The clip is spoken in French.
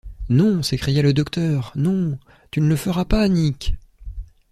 Non! s’écria le docteur, non... tu ne le feras pas, Nic !...